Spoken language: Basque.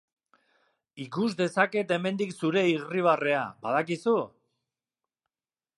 Ikus dezaket hemendik zure irribarrea, badaki-zu?